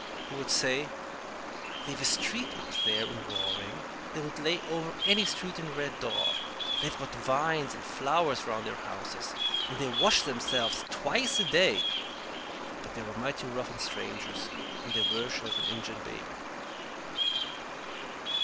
He would say, "They've a street up there in 'Roaring' that would lay over any street in Red Dog. They've got vines and flowers round their houses, and they wash themselves twice a day. But they're mighty rough on strangers, and they worship an Ingin baby."